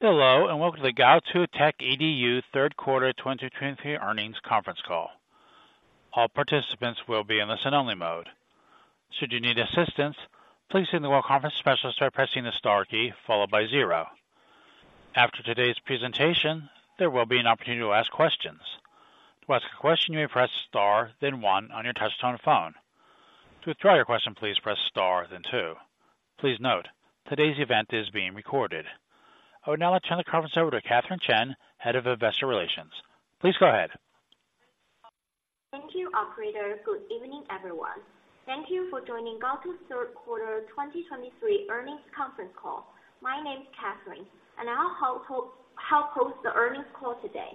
Hello, and welcome to the Gaotu Techedu third quarter 2023 Earnings Conference Call. All participants will be in listen-only mode. Should you need assistance, please signal a conference specialist by pressing the star key followed by zero. After today's presentation, there will be an opportunity to ask questions. To ask a question, you may press star, then one on your touchtone phone. To withdraw your question, please press star, then two. Please note, today's event is being recorded. I would now like to turn the conference over to Catherine Chen, Head of Investor Relations. Please go ahead. Thank you, operator. Good evening, everyone. Thank you for joining Gaotu's third quarter 2023 Earnings Conference Call. My name is Catherine, and I'll help host the Earnings Call today.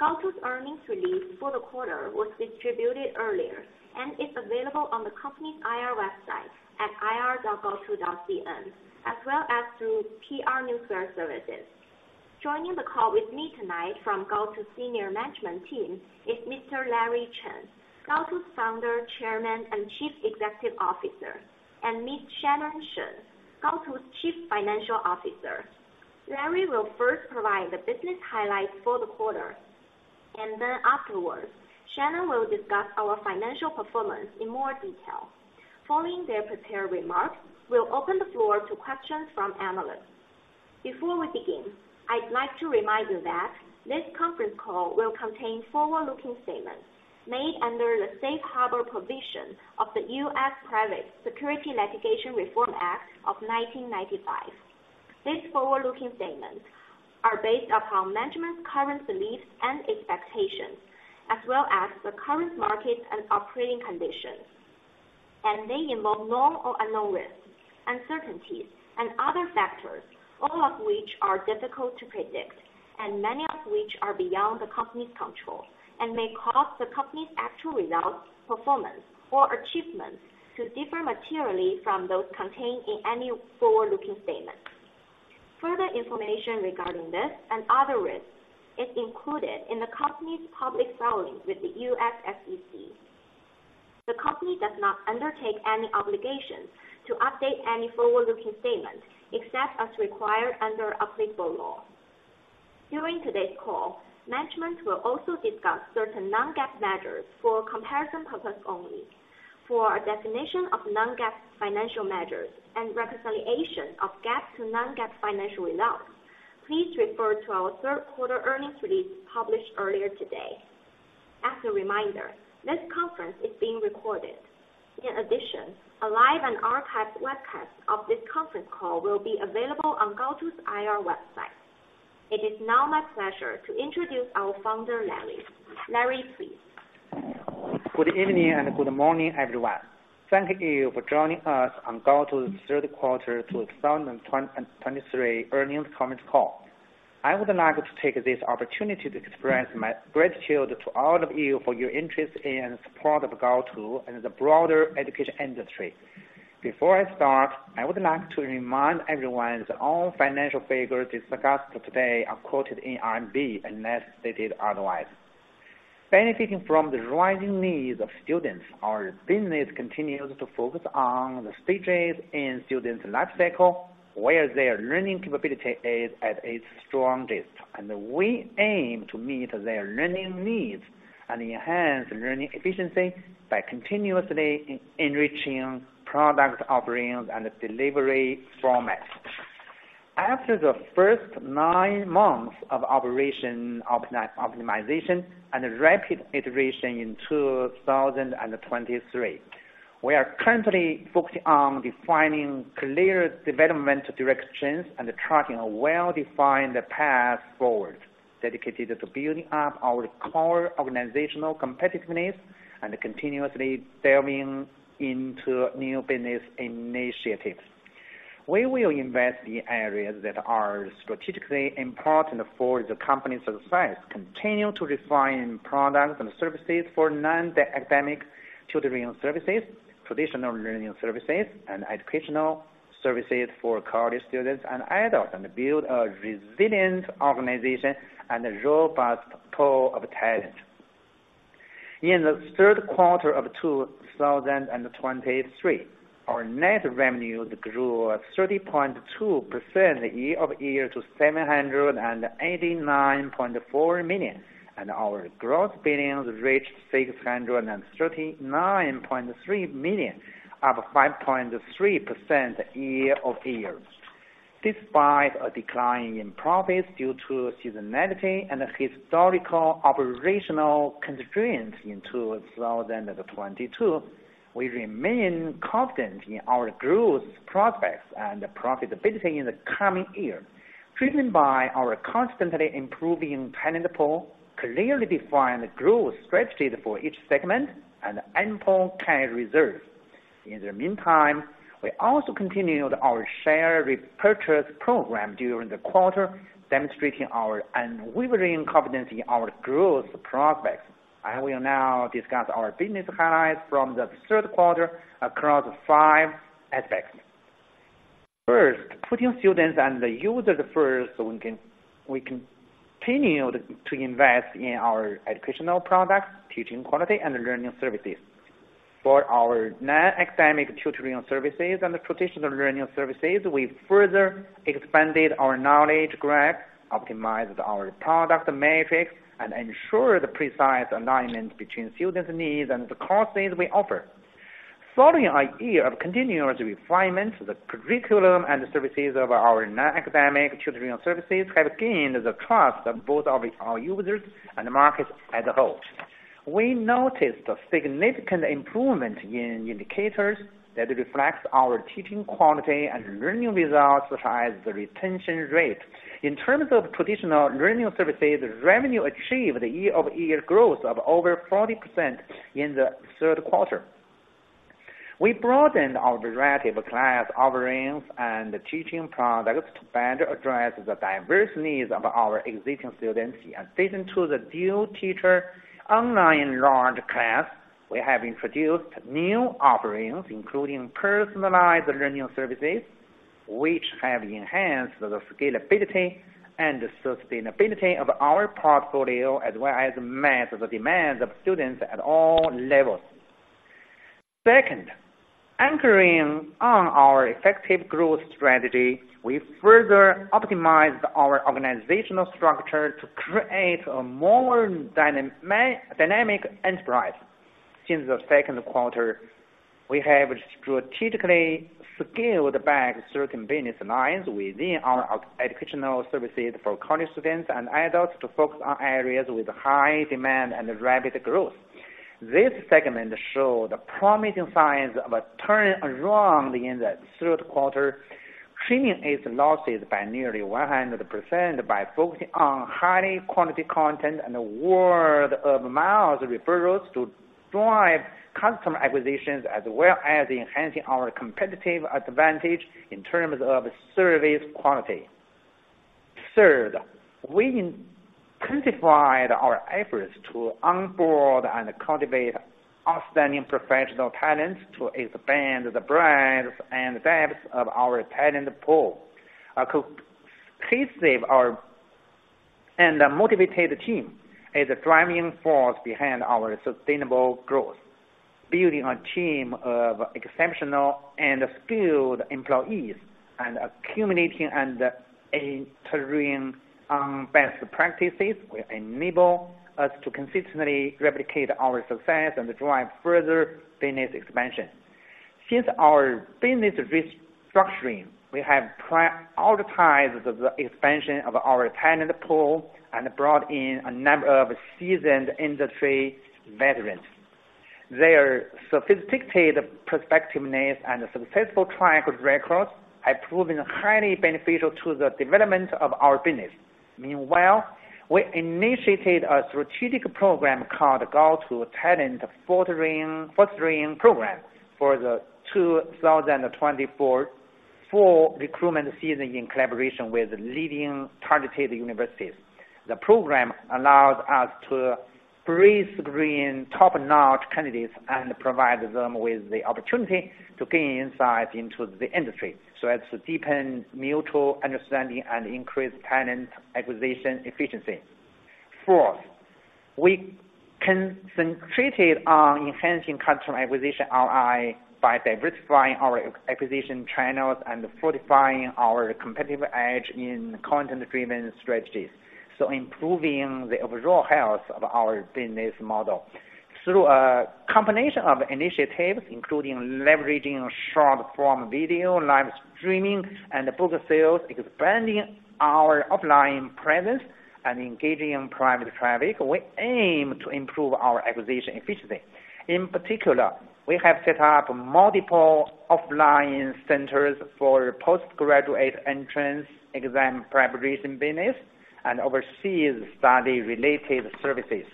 Gaotu's Earnings release for the quarter was distributed earlier and is available on the company's IR website at ir.gaotu.cn, as well as through PR Newswire services. Joining the call with me tonight from Gaotu senior management team is Mr. Larry Chen, Gaotu's Founder, Chairman, and Chief Executive Officer, and Miss Shannon Shen, Gaotu's Chief Financial Officer. Larry will first provide the business highlights for the quarter, and then afterwards, Shannon will discuss our financial performance in more detail. Following their prepared remarks, we'll open the floor to questions from analysts. Before we begin, I'd like to remind you that this conference call will contain forward-looking statements made under the safe harbor provision of the U.S. Private Securities Litigation Reform Act of 1995. These forward-looking statements are based upon management's current beliefs and expectations, as well as the current market and operating conditions. They involve known or unknown risks, uncertainties, and other factors, all of which are difficult to predict, and many of which are beyond the company's control, and may cause the company's actual results, performance, or achievements to differ materially from those contained in any forward-looking statements. Further information regarding this and other risks is included in the company's public filings with the U.S. SEC. The company does not undertake any obligation to update any forward-looking statements, except as required under applicable law. During today's call, management will also discuss certain non-GAAP measures for comparison purposes only. For a definition of Non-GAAP financial measures and reconciliation of GAAP to Non-GAAP financial results, please refer to our Third Quarter Earnings release published earlier today. As a reminder, this conference is being recorded. In addition, a live and archived webcast of this conference call will be available on Gaotu's IR website. It is now my pleasure to introduce our founder, Larry. Larry, please. Good evening and good morning, everyone. Thank you for joining us on Gaotu's third quarter 2023 earnings conference call. I would like to take this opportunity to express my gratitude to all of you for your interest in support of Gaotu and the broader education industry. Before I start, I would like to remind everyone that all financial figures discussed today are quoted in RMB, unless stated otherwise. Benefiting from the rising needs of students, our business continues to focus on the stages in students' life cycle, where their learning capability is at its strongest, and we aim to meet their learning needs and enhance learning efficiency by continuously enriching product offerings and delivery formats. After the first nine months of operation optimization and rapid iteration in 2023, we are currently focused on defining clear development directions and charting a well-defined path forward, dedicated to building up our core organizational competitiveness and continuously delving into new business initiatives. We will invest in areas that are strategically important for the company's success, continue to refine products and services for non-academic tutoring services, traditional learning services, and educational services for college students and adults, and build a resilient organization and a robust pool of talent. In the third quarter of 2023, our net revenues grew 30.2% year-over-year to 789.4 million, and our gross billings reached 639.3 million, up 5.3% year-over-year. Despite a decline in profits due to seasonality and historical operational constraints in 2022, we remain confident in our growth prospects and profitability in the coming year, driven by our constantly improving talent pool, clearly defined growth strategy for each segment and ample cash reserve. In the meantime, we also continued our share repurchase program during the quarter, demonstrating our unwavering confidence in our growth prospects. I will now discuss our business highlights from the third quarter across five aspects. First, putting students and the users first, we continued to invest in our educational products, teaching quality and learning services. For our non-academic tutoring services and the traditional learning services, we've further expanded our knowledge graph, optimized our product matrix, and ensured the precise alignment between students' needs and the courses we offer. Following our year of continuous refinement, the curriculum and services of our non-academic tutoring services have gained the trust of both of our users and the market as a whole. We noticed a significant improvement in indicators that reflects our teaching quality and learning results, such as the retention rate. In terms of traditional learning services, revenue achieved a year-over-year growth of over 40% in the third quarter. We broadened our variety of class offerings and teaching products to better address the diverse needs of our existing students. Since, the dual teacher online large class, we have introduced new offerings, including personalized learning services, which have enhanced the scalability and sustainability of our portfolio, as well as met the demands of students at all levels. Second, anchoring on our effective growth strategy, we further optimized our organizational structure to create a more dynamic enterprise. Since the second quarter, we have strategically scaled back certain business lines within our educational services for college students and adults to focus on areas with high demand and rapid growth. This segment showed promising signs of a turnaround in the third quarter, trimming its losses by nearly 100% by focusing on high quality content and word of mouth referrals to drive customer acquisitions, as well as enhancing our competitive advantage in terms of service quality. Third, we intensified our efforts to onboard and cultivate outstanding professional talents to expand the breadth and depth of our talent pool. A cohesive and motivated team is the driving force behind our sustainable growth. Building a team of exceptional and skilled employees, and accumulating and iterating on best practices will enable us to consistently replicate our success and drive further business expansion. Since our business restructuring, we have prioritized the expansion of our talent pool and brought in a number of seasoned industry veterans. Their sophisticated perceptiveness and successful track records have proven highly beneficial to the development of our business. Meanwhile, we initiated a strategic program called Gaotu Talent Fostering Program for the 2024 full recruitment season in collaboration with leading targeted universities. The program allows us to pre-screen top-notch candidates and provide them with the opportunity to gain insight into the industry, so as to deepen mutual understanding and increase talent acquisition efficiency. Fourth, we concentrated on enhancing customer acquisition ROI by diversifying our acquisition channels and fortifying our competitive edge in content-driven strategies, so improving the overall health of our business model. Through a combination of initiatives, including leveraging short-form video, live streaming, and book sales, expanding our offline presence, and engaging in private traffic, we aim to improve our acquisition efficiency. In particular, we have set up multiple offline centers for postgraduate entrance exam preparation business and overseas study-related services.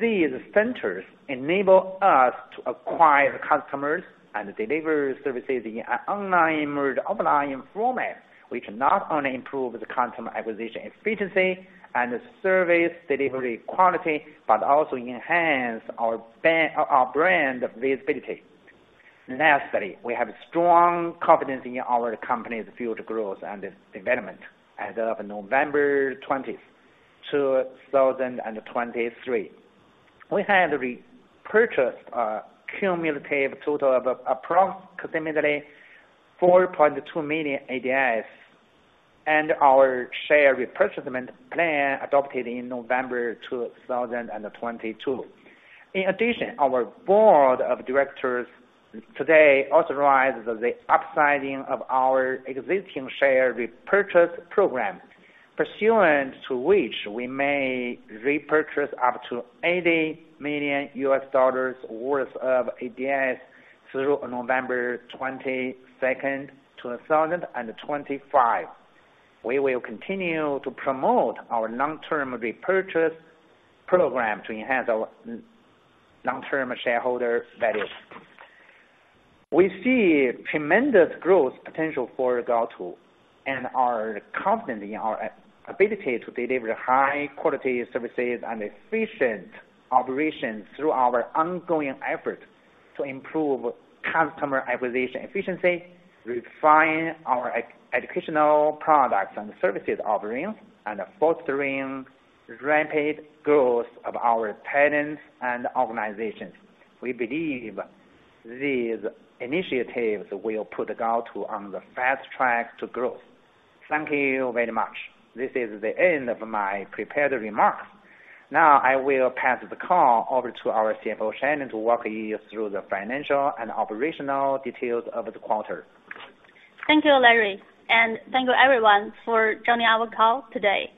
These centers enable us to acquire customers and deliver services in an online or offline format, which not only improve the customer acquisition efficiency and service delivery quality, but also enhance our brand visibility. Lastly, we have strong confidence in our company's future growth and development. As of November 20, 2023, we had repurchased a cumulative total of approximately 4.2 million ADSs, and our share repurchase plan adopted in November 2022. In addition, our board of directors today authorized the upsizing of our existing share repurchase program, pursuant to which we may repurchase up to $80 million worth of ADS through November 22, 2025. We will continue to promote our long-term repurchase program to enhance our long-term shareholder value. We see tremendous growth potential for Gaotu, and are confident in our ability to deliver high quality services and efficient operations through our ongoing efforts to improve customer acquisition efficiency, refine our educational products and services offerings, and fostering rapid growth of our talent and organizations. These initiatives will put Gaotu on the fast track to growth. Thank you very much. This is the end of my prepared remarks. Now, I will pass the call over to our CFO, Shannon, to walk you through the financial and operational details of the quarter. Thank you, Larry, and thank you everyone for joining our call today.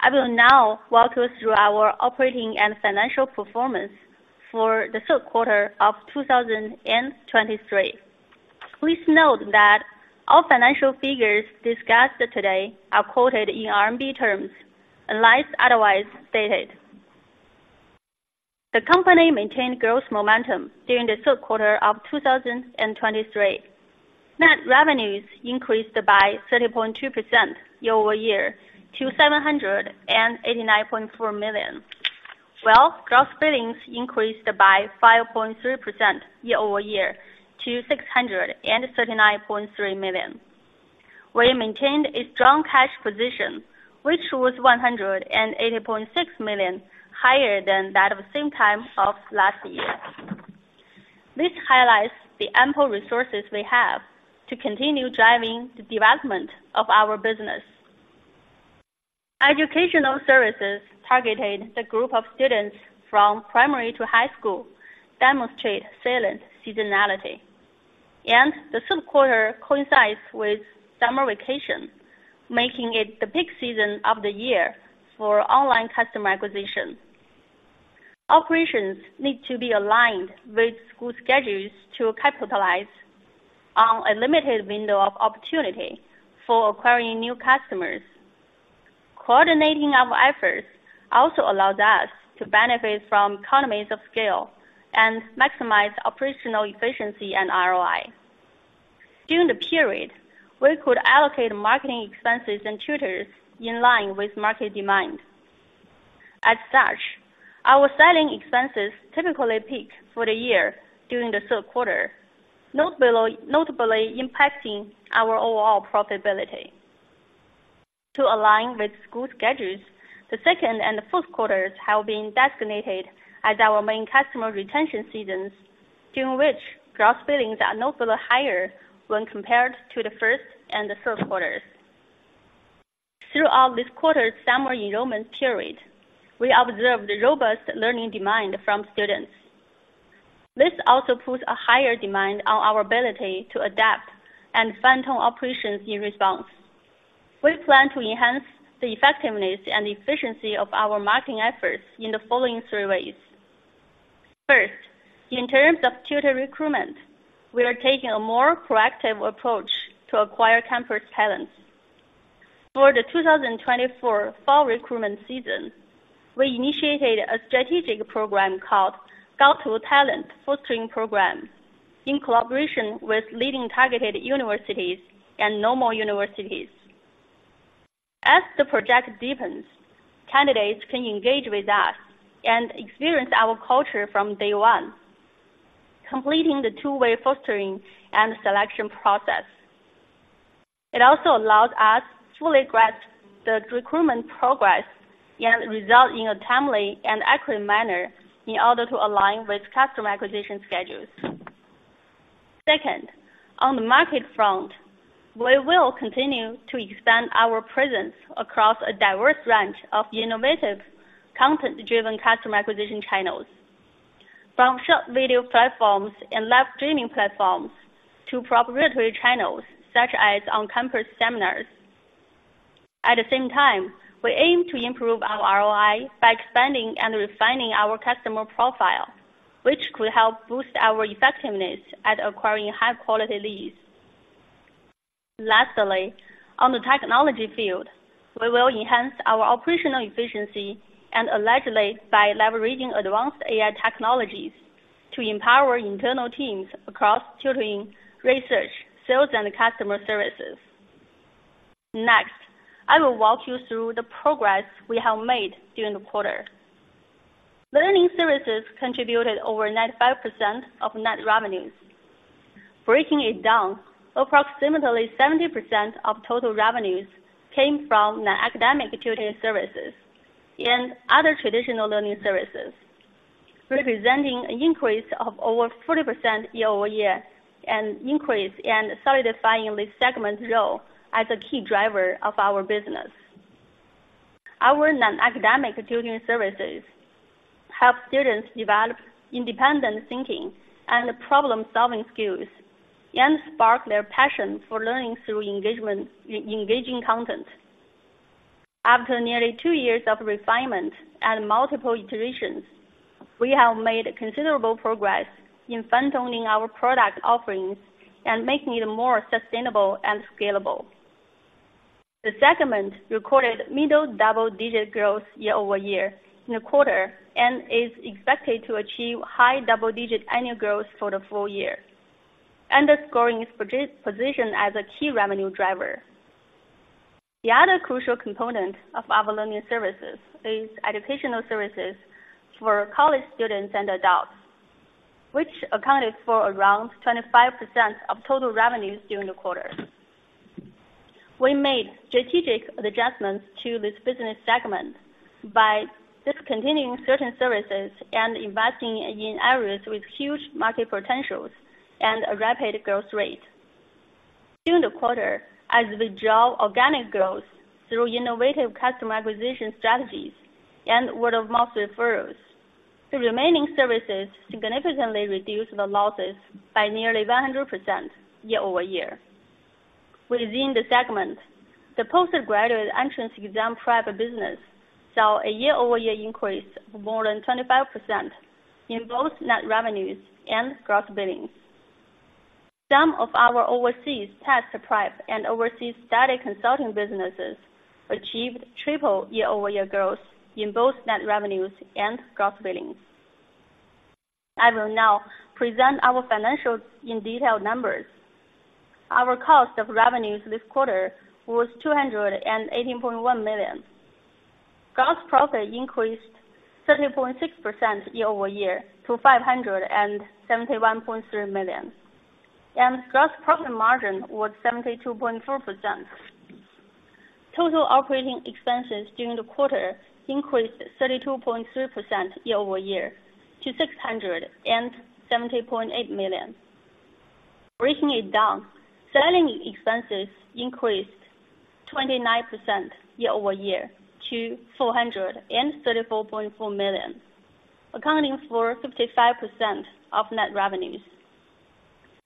I will now walk you through our operating and financial performance for the third quarter of 2023. Please note that all financial figures discussed today are quoted in RMB terms, unless otherwise stated. The company maintained growth momentum during the third quarter of 2023. Net revenues increased by 30.2% year-over-year to 789.4 million, while gross billings increased by 5.3% year-over-year to 639.3 million. We maintained a strong cash position, which was 180.6 million higher than that of the same time of last year. This highlights the ample resources we have to continue driving the development of our business. Educational services targeted the group of students from primary to high school, demonstrate salient seasonality, and the third quarter coincides with summer vacation, making it the peak season of the year for online customer acquisition. Operations need to be aligned with school schedules to capitalize on a limited window of opportunity for acquiring new customers. Coordinating our efforts also allows us to benefit from economies of scale and maximize operational efficiency and ROI. During the period, we could allocate marketing expenses and tutors in line with market demand. As such, our selling expenses typically peak for the year during the third quarter, notably impacting our overall profitability. To align with school schedules, the second and fourth quarters have been designated as our main customer retention seasons, during which gross billings are notably higher when compared to the first and the third quarters. Throughout this quarter's summer enrollment period, we observed robust learning demand from students. This also puts a higher demand on our ability to adapt and fine-tune operations in response. We plan to enhance the effectiveness and efficiency of our marketing efforts in the following three ways. First, in terms of tutor recruitment, we are taking a more proactive approach to acquire campus talents. For the 2024 fall recruitment season, we initiated a strategic program called Gaotu Talent Fostering Program, in collaboration with leading targeted universities and normal universities. As the project deepens, candidates can engage with us and experience our culture from day one, completing the two-way fostering and selection process. It also allows us to fully grasp the recruitment progress and result in a timely and accurate manner in order to align with customer acquisition schedules. Second, on the market front, we will continue to expand our presence across a diverse range of innovative, content-driven customer acquisition channels, from short video platforms and live streaming platforms to proprietary channels such as on-campus seminars. At the same time, we aim to improve our ROI by expanding and refining our customer profile, which could help boost our effectiveness at acquiring high-quality leads. Lastly, on the technology field, we will enhance our operational efficiency and agility by leveraging advanced AI technologies to empower internal teams across tutoring, research, sales, and customer services. Next, I will walk you through the progress we have made during the quarter. Learning services contributed over 95% of net revenues. Breaking it down, approximately 70% of total revenues came from non-academic tutoring services and other traditional learning services, representing an increase of over 40% year-over-year, an increase and solidifying this segment's role as a key driver of our business. Our non-academic tutoring services help students develop independent thinking and problem-solving skills, and spark their passion for learning through engagement, engaging content. After nearly 2 years of refinement and multiple iterations, we have made considerable progress in fine-tuning our product offerings and making it more sustainable and scalable. The segment recorded middle double-digit growth year-over-year in the quarter, and is expected to achieve high double-digit annual growth for the full year, underscoring its position as a key revenue driver. The other crucial component of our learning services is educational services for college students and adults, which accounted for around 25% of total revenues during the quarter.... We made strategic adjustments to this business segment by discontinuing certain services and investing in areas with huge market potentials and a rapid growth rate. During the quarter, as we draw organic growth through innovative customer acquisition strategies and word-of-mouth referrals, the remaining services significantly reduced the losses by nearly 100% year-over-year. Within the segment, the postgraduate entrance exam prep business saw a year-over-year increase of more than 25% in both net revenues and gross billings. Some of our overseas test prep and overseas study consulting businesses achieved triple -digit year-over-year growth in both net revenues and gross billings. I will now present our financials in detailed numbers. Our cost of revenues this quarter was 218.1 million. Gross profit increased 30.6% year-over-year to 571.3 million, and gross profit margin was 72.4%. Total operating expenses during the quarter increased 32.3% year-over-year to 670.8 million. Breaking it down, selling expenses increased 29% year-over-year to 434.4 million, accounting for 55% of net revenues.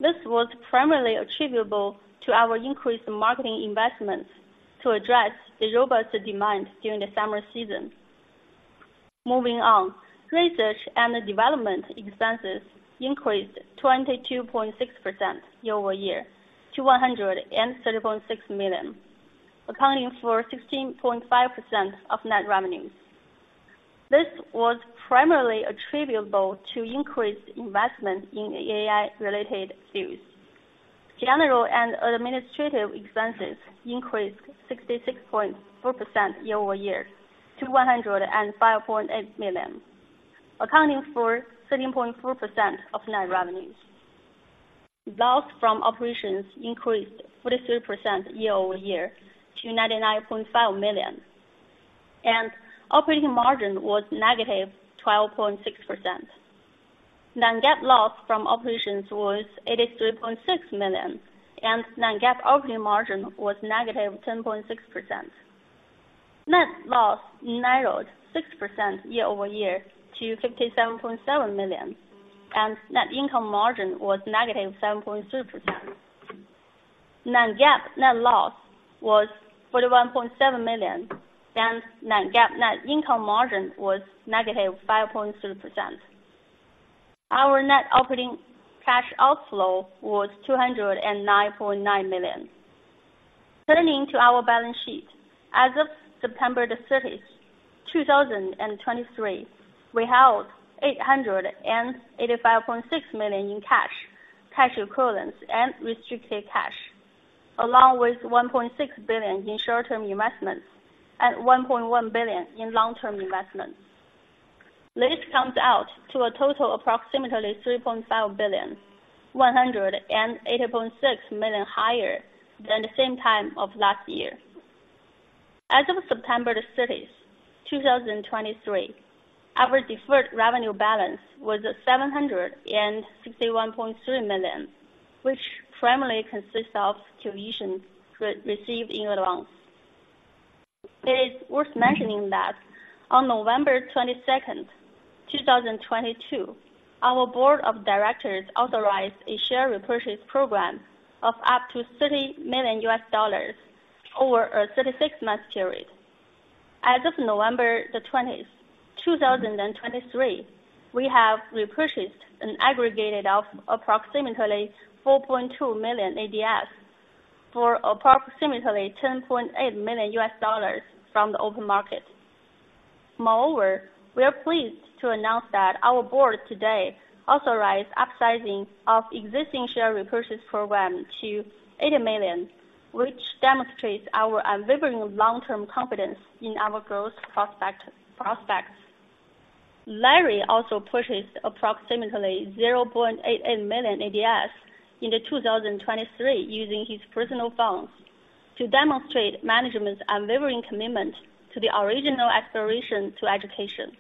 This was primarily attributable to our increased marketing investments to address the robust demand during the summer season. Moving on. Research and development expenses increased 22.6% year-over-year to 130.6 million, accounting for 16.5% of net revenues. This was primarily attributable to increased investment in AI-related fields. General and administrative expenses increased 66.4% year-over-year to 105.8 million, accounting for 13.4% of net revenues. Loss from operations increased 43% year-over-year to 99.5 million, and operating margin was -12.6%. Non-GAAP loss from operations was 83.6 million, and non-GAAP operating margin was -10.6%. Net loss narrowed 6% year-over-year to 57.7 million, and net income margin was -7.3%. Non-GAAP net loss was 41.7 million, and non-GAAP net income margin was -5.3%. Our net operating cash outflow was 209.9 million. Turning to our balance sheet. As of September 30, 2023, we held 885.6 million in cash, cash equivalents, and restricted cash, along with 1.6 billion in short-term investments and 1.1 billion in long-term investments. This comes out to a total approximately 3.5 billion, 180.6 million higher than the same time of last year. As of September 30, 2023, our deferred revenue balance was $761.3 million, which primarily consists of tuition received in advance. It is worth mentioning that on November 22, 2022, our board of directors authorized a share repurchase program of up to $30 million over a 36-month period. As of November 20, 2023, we have repurchased an aggregate of approximately 4.2 million ADS for approximately $10.8 million from the open market. Moreover, we are pleased to announce that our board today authorized upsizing of existing share repurchase program to $80 million, which demonstrates our unwavering long-term confidence in our growth prospects. Larry also purchased approximately 0.88 million ADS in 2023, using his personal funds to demonstrate management's unwavering commitment to the original aspiration to education.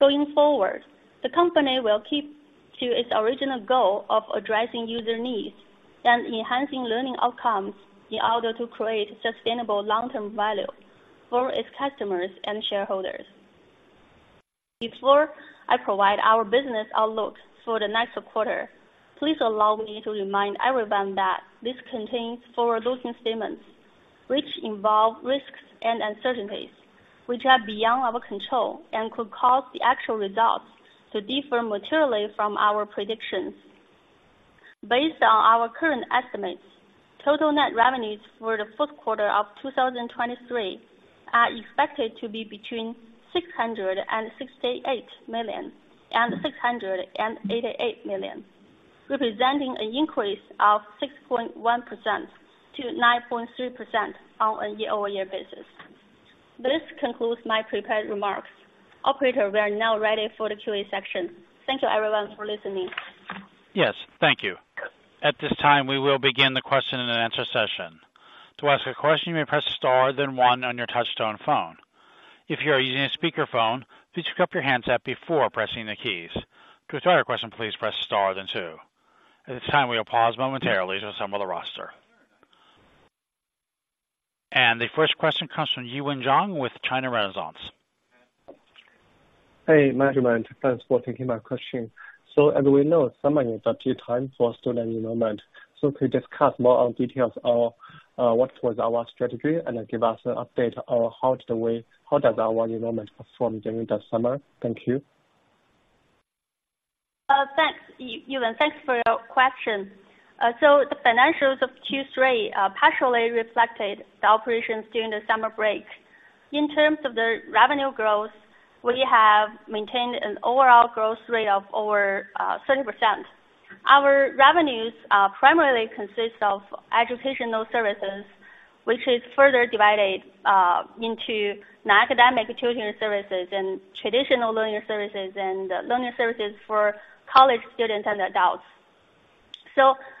Going forward, the company will keep to its original goal of addressing user needs and enhancing learning outcomes in order to create sustainable long-term value for its customers and shareholders. Before I provide our business outlook for the next quarter, please allow me to remind everyone that this contains forward-looking statements, which involve risks and uncertainties, which are beyond our control and could cause the actual results to differ materially from our predictions. Based on our current estimates, total net revenues for the fourth quarter of 2023 are expected to be between 668 million and 688 million, representing an increase of 6.1%-9.3% on a year-over-year basis. This concludes my prepared remarks. Operator, we are now ready for the QA session. Thank you, everyone, for listening. Yes, thank you. At this time, we will begin the question and answer session. To ask a question, you may press star, then one on your touchtone phone. If you are using a speakerphone, please pick up your handset before pressing the keys. To withdraw your question, please press star, then two. At this time, we will pause momentarily to assemble the roster. The first question comes from Yiwen Zhang with China Renaissance. Hey, management. Thanks for taking my question. As we know, summer is a key time for student enrollment. Could you discuss more on details of what was our strategy, and then give us an update on how does our enrollment perform during the summer? Thank you. Thanks, Yiwen. Thanks for your question. The financials of Q3 partially reflected the operations during the summer break. In terms of the revenue growth, we have maintained an overall growth rate of over 30%. Our revenues primarily consist of educational services, which is further divided into non-academic tutoring services and traditional learning services, and learning services for college students and adults.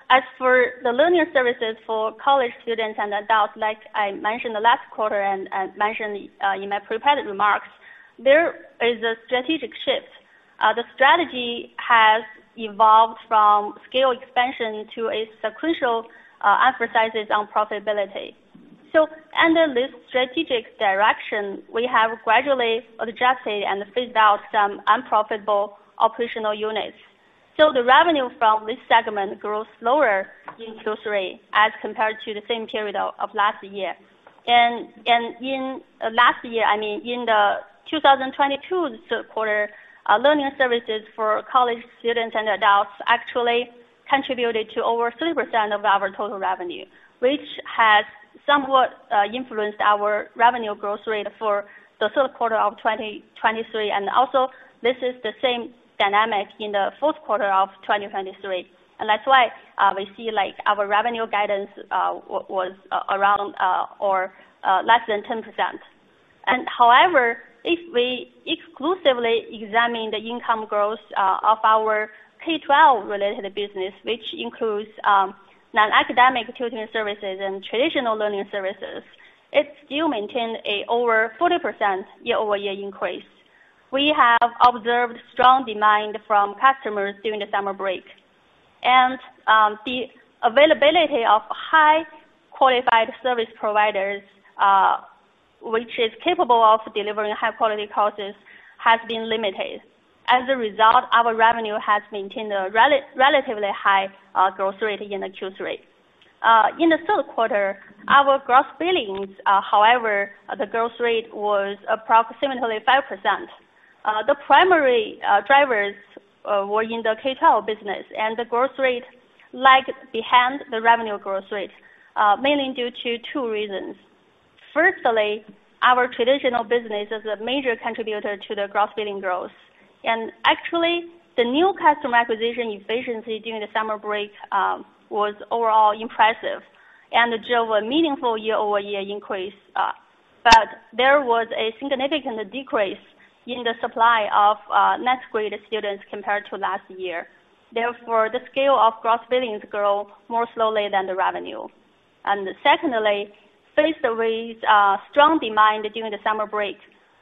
As for the learning services for college students and adults, like I mentioned the last quarter and mentioned in my prepared remarks, there is a strategic shift. The strategy has evolved from scale expansion to a sequential emphasis on profitability. So under this strategic direction, we have gradually adjusted and phased out some unprofitable operational units. So the revenue from this segment grows slower in Q3 as compared to the same period of last year. In last year, I mean, in the 2022 third quarter, learning services for college students and adults actually contributed to over 3% of our total revenue, which has somewhat influenced our revenue growth rate for the third quarter of 2023. Also, this is the same dynamic in the fourth quarter of 2023. That's why we see, like, our revenue guidance was around or less than 10%. However, if we exclusively examine the income growth of our K-12 related business, which includes non-academic tutoring services and traditional learning services, it still maintained over 40% year-over-year increase. We have observed strong demand from customers during the summer break. The availability of high qualified service providers, which is capable of delivering high quality courses, has been limited. As a result, our revenue has maintained a relatively high growth rate in the Q3. In the third quarter, our Gross Billings, however, the growth rate was approximately 5%. The primary drivers were in the K-12 business, and the growth rate lagged behind the revenue growth rate, mainly due to two reasons. Firstly, our traditional business is a major contributor to the Gross Billings growth. Actually, the new customer acquisition efficiency during the summer break was overall impressive and drove a meaningful year-over-year increase, but there was a significant decrease in the supply of next grade students compared to last year. Therefore, the scale of Gross Billings grow more slowly than the revenue. Secondly, faced with strong demand during the summer break,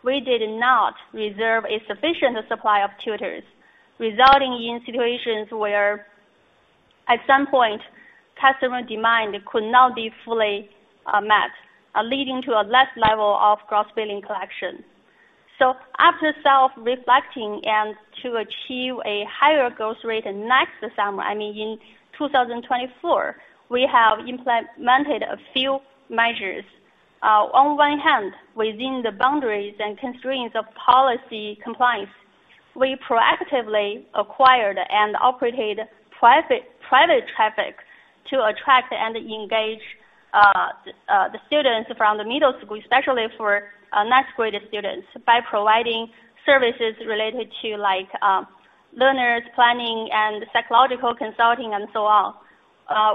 we did not reserve a sufficient supply of tutors, resulting in situations where, at some point, customer demand could not be fully met, leading to a less level of gross billing collection. After self-reflecting and to achieve a higher growth rate next summer, I mean, in 2024, we have implemented a few measures. On one hand, within the boundaries and constraints of policy compliance, we proactively acquired and operated private traffic to attract and engage the students from the middle school, especially for next grade students, by providing services related to like, learners planning and psychological consulting, and so on.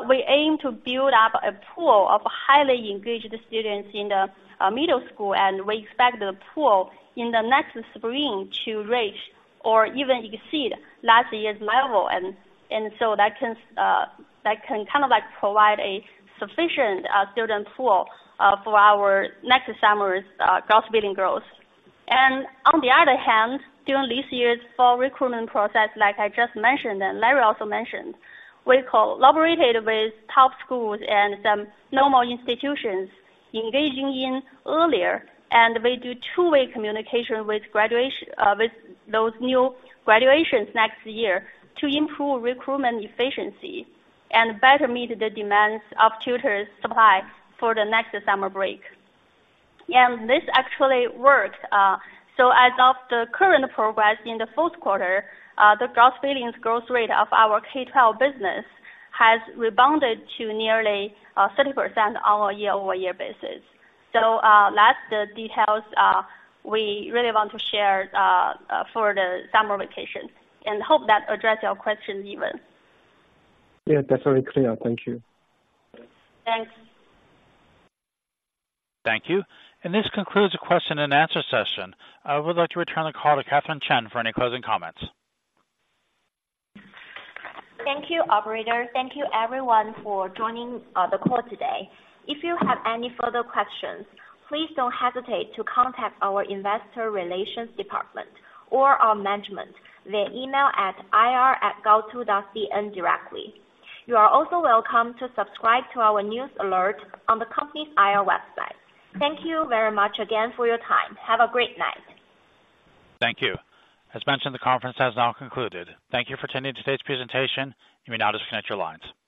We aim to build up a pool of highly engaged students in the middle school, and we expect the pool in the next spring to reach or even exceed last year's level. And so that can kind of, like, provide a sufficient student pool for our next summer's gross billing growth. And on the other hand, during this year's fall recruitment process, like I just mentioned and Larry also mentioned, we collaborated with top schools and some normal institutions engaging in earlier, and we do two-way communication with graduates, with those new graduations next year to improve recruitment efficiency and better meet the demands of tutors supply for the next summer break. This actually worked. As of the current progress in the fourth quarter, the gross billings growth rate of our K-12 business has rebounded to nearly 30% on a year-over-year basis. That's the details we really want to share for the summer vacation, and hope that addressed your question, Yiwen. Yeah, that's very clear. Thank you. Thanks. Thank you. This concludes the question and answer session. I would like to return the call to Catherine Chen for any closing comments. Thank you, operator. Thank you everyone for joining the call today. If you have any further questions, please don't hesitate to contact our investor relations department or our management via email at ir@gaotu.cn directly. You are also welcome to subscribe to our news alert on the company's IR website. Thank you very much again for your time. Have a great night. Thank you. As mentioned, the conference has now concluded. Thank you for attending today's presentation. You may now disconnect your lines.